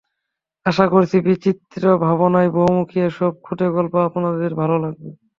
আশা করছি, বিচিত্র ভাবনার, বহুমুখী এসব খুদে গল্প আপনাদের ভালো লাগবে।